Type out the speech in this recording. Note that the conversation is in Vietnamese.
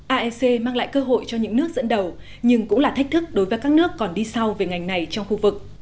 aec mang lại cơ hội cho những nước dẫn đầu nhưng cũng là thách thức đối với các nước còn đi sau về ngành này trong khu vực